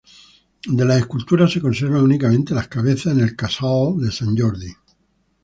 De las esculturas se conservan únicamente las cabezas en el Casal de Sant Jordi.